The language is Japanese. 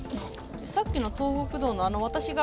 さっきの東北道のあの私が。